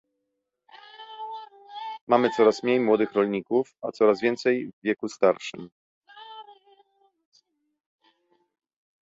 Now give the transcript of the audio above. Mamy coraz mniej młodych rolników, a coraz więcej w wieku starszym